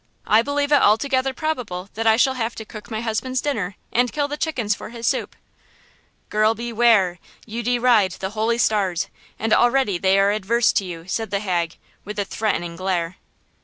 I believe it altogether probable that I shall have to cook my husband's dinner and kill the chickens for his soup!" "Girl, beware! You deride the holy stars–and already they are adverse to you!" said the hag, with a threatening glare.